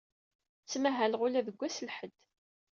Ttmahaleɣ ula deg wass n lḥedd.